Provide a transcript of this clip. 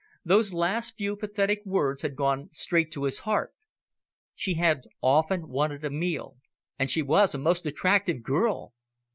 Those last few pathetic words had gone straight to his heart. She had often wanted a meal, and she was a most attractive girl!